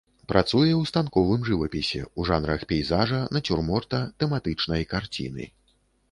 Працуе ў станковым жывапісе ў жанрах пейзажа, нацюрморта, тэматычнай карціны.